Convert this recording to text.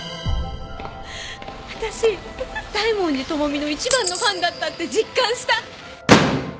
私大文字智美の一番のファンだったって実感した！